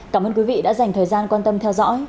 cảm ơn quý vị đã dành thời gian quan tâm theo dõi